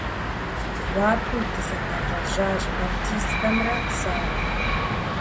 Гуапэу дызэдэлэжьащ артистхэмрэ сэрэ.